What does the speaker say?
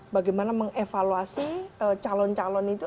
bagaimana mengevaluasi calon calon itu